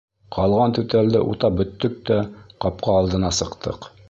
Ҡалған түтәлде утап бөттөк тә ҡапҡа алдына сыҡтыҡ.